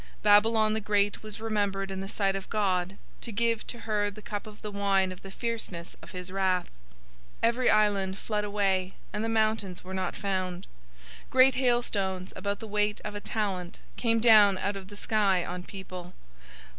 Babylon the great was remembered in the sight of God, to give to her the cup of the wine of the fierceness of his wrath. 016:020 Every island fled away, and the mountains were not found. 016:021 Great hailstones, about the weight of a talent,{1 talent is about 34 kilograms or 75 pounds} came down out of the sky on people.